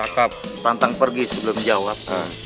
tantang pergi sebelum jawab